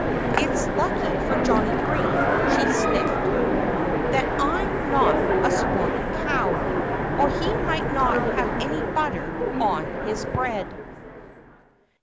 "It's lucky for Johnnie Green," she sniffed, "that I'm not a sporting cow, or he might not have any butter on his bread."